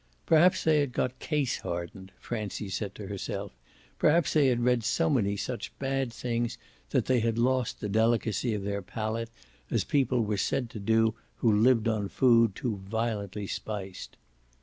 Perhaps they had got "case hardened" Francie said to herself; perhaps they had read so many such bad things that they had lost the delicacy of their palate, as people were said to do who lived on food too violently spiced.